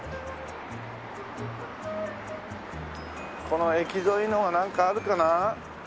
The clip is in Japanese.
この駅沿いの方はなんかあるかな？